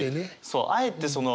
あえてね。